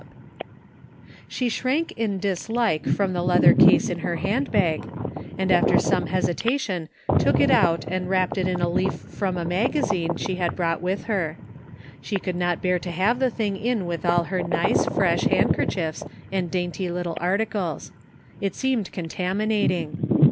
25 THE FINDING OF JASPER HOLT She shrank in dislike from the leather case in her handbag, and after some hesitation took it out and wrapped it in a leaf from a magazine she had brought with her. She could not bear to have the thing in with all her nice fresh handkerchiefs and dainty little articles. It seemed contaminating.